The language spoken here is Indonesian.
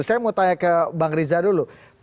saya mau tanya ke bang riza dulu